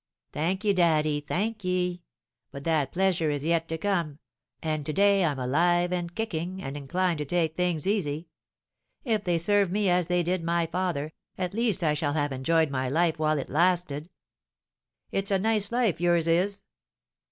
"Thank ye, daddy, thank ye! But that pleasure is yet to come, and to day I'm alive and kicking, and inclined to take things easy. If they serve me as they did my father, at least I shall have enjoyed my life while it lasted." "It's a nice life, yours is!"